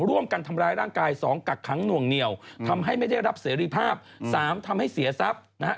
ร่วมกันทำร้ายร่างกาย๒กักขังหน่วงเหนียวทำให้ไม่ได้รับเสรีภาพ๓ทำให้เสียทรัพย์นะฮะ